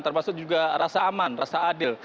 termasuk juga rasa aman rasa adil